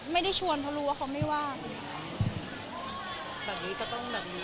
ไม่ได้ช้วนเขารู้ว่าเขาไม่ว่ามัก